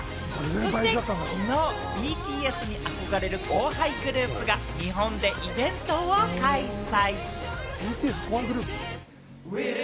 そしてきのう、ＢＴＳに憧れる後輩グループが日本でイベントを開催。